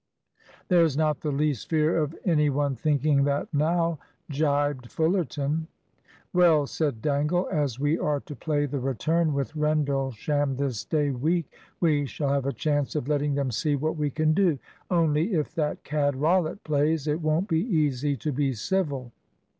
"There's not the least fear of any one thinking that now," gibed Fullerton. "Well," said Dangle, "as we are to play the return with Rendlesham this day week, we shall have a chance of letting them see what we can do. Only if that cad Rollitt plays, it won't be easy to be civil."